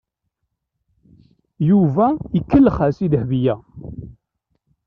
Yuba ikellex-as i Dahbiya.